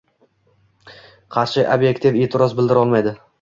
qarshi ob’ektiv e’tiroz bildira olmaydi.